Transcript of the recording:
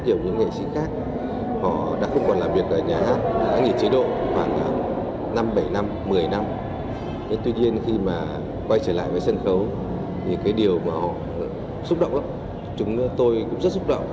tuy nhiên khi quay trở lại với sân khấu điều mà họ xúc động lắm chúng tôi cũng rất xúc động